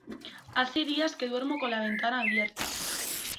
Hace días que duermo con la ventana abierta.